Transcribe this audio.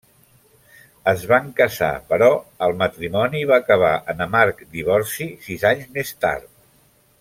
Es van casar però el matrimoni va acabar en amarg divorci sis anys més tard.